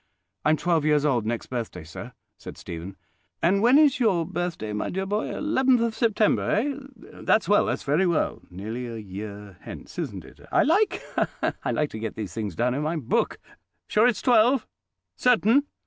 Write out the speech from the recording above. "I'm twelve years old next birthday, sir," said Stephen. "And when is your birthday, my dear boy? Eleventh of September, eh? That's well—that's very well. Nearly a year hence, isn't it? I like—ha, ha!—I like to get these things down in my book. Sure it's twelve? Certain?"